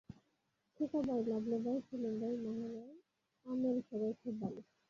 খোকা ভাই, লাভলু ভাই, সেলিম ভাই, মহি ভাই, আমের সবাই খুব ভালো।